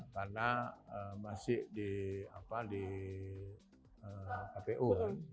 karena masih di kpu